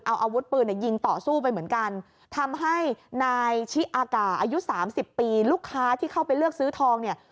เอาอาวุธปืนเนี่ยยิงต่อสู้ไปเหมือนกันทำให้นายชิอากาอายุสามสิบปีลูกค้าที่เข้าไปเลือกซื้อทองเนี่ย